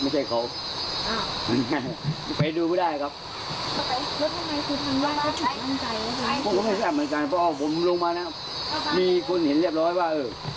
ไม่ใช่นั่งใจเพราะว่าผมลงมานะครับมีคนเห็นเรียบร้อยว่าเออ